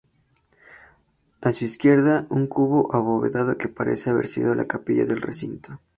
A su izquierda, un cubo abovedado, que parece haber sido la capilla del recinto.